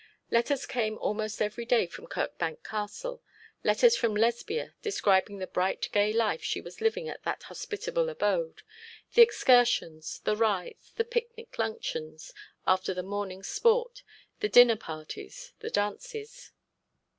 Letters came almost every day from Kirkbank Castle, letters from Lesbia describing the bright gay life she was living at that hospitable abode, the excursions, the rides, the picnic luncheons after the morning's sport, the dinner parties, the dances.